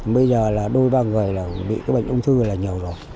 bây giờ là đôi ba người bị bệnh ung thư là nhiều rồi